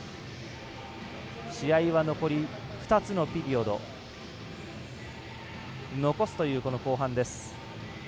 試合は残り２つのピリオドを残すという後半です。